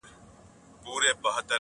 د وجود غړي د هېواد په هديره كي پراته~